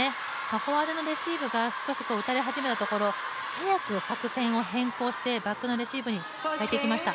フォアでのレシーブが少し打たれ始めたところ早く作戦を変更してバックのレシーブに変えてきました。